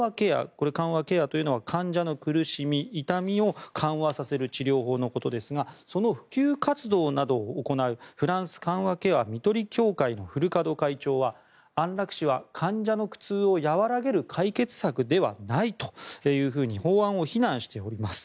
これ、緩和ケアというのは患者の苦しみ、痛みを緩和させる治療法のことですがその普及活動などを行うフランス緩和ケア・看取り協会のフルカド会長は安楽死は患者の苦痛を和らげる解決策ではないというふうに法案を非難しております。